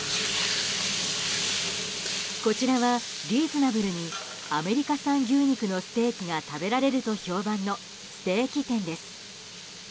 こちらはリーズナブルにアメリカ産牛肉のステーキが食べられると評判のステーキ店です。